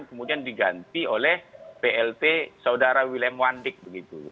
kemudian diganti oleh pak lukas